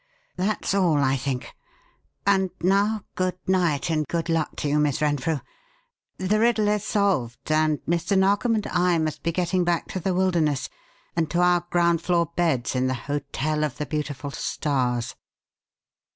That's all, I think. And now, good night and good luck to you, Miss Renfrew. The riddle is solved; and Mr. Narkom and I must be getting back to the wilderness and to our ground floor beds in the hotel of the beautiful stars!"